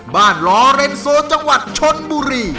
บ้านล้อเลนโซจังหวัดชนบุรี